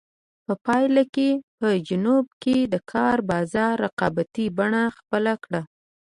په پایله کې په جنوب کې د کار بازار رقابتي بڼه خپله کړه.